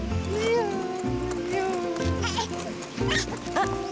あっ！